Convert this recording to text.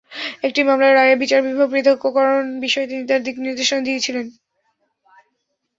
একটি মামলার রায়ে বিচার বিভাগ পৃথক্করণ বিষয়ে তিনি তাঁর দিকনির্দেশনা দিয়েছিলেন।